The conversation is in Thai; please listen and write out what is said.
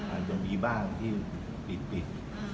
อาจจะมีบ้างที่ปิด